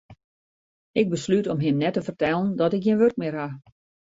Ik beslút om him net te fertellen dat ik gjin wurk mear ha.